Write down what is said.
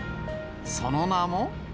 その名も。